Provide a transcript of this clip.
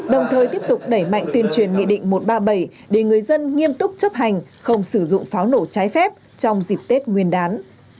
đồng thời tiếp tục đẩy mạnh tuyên truyền nghị định một trăm ba mươi bảy để người dân nghiêm túc chấp hành không sử dụng pháo nổ trái phép trong dịp tết nguyên đán